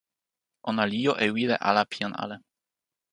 ona li jo e wile ale pi jan ale.